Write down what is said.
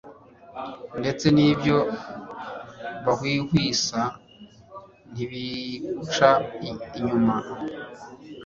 ndetse n'ibyo bahwihwisa ntibiguca inyuma